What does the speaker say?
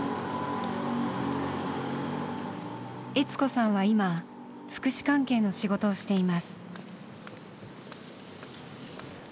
悦子さんは今福祉関係の仕事をしています。